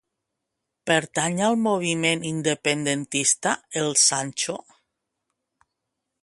Pertany al moviment independentista el Sancho?